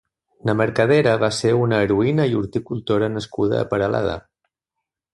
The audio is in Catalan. na Mercadera va ser una heroïna i horticultora nascuda a Peralada.